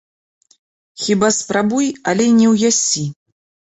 Хіба спрабуй, але не ўясі.